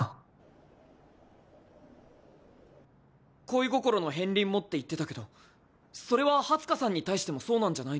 恋心の片りんもって言ってたけどそれはハツカさんに対してもそうなんじゃないの？